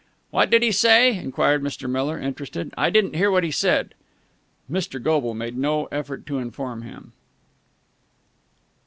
"What did he say?" enquired Mr. Miller, interested. "I didn't hear what he said!" Mr. Goble made no effort to inform him.